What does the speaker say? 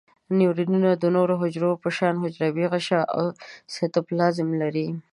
نیورونونه د نورو حجرو په شان حجروي غشاء او سایتوپلازم لري.